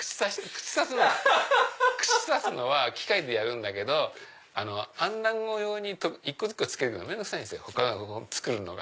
串刺すのは機械でやるんだけどあん団子用に一個一個つけるのが面倒くさいんですよ作るのが。